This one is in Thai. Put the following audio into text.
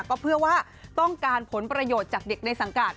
ก็เพื่อว่าต้องการผลประโยชน์จากเด็กในสังกัด